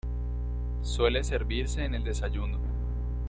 Suele servirse en el desayuno.